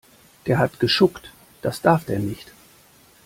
Der hat geschuckt, das darf der nicht.